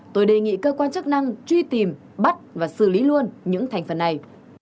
tôi đề nghị cơ quan chức năng truy tìm bắt và xử lý luôn những thành phần này